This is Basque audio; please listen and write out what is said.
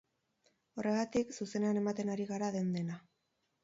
Horregatik, zuzenean ematen ari gara den-dena.